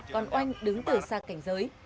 còn oanh đứng từ xa cảnh giới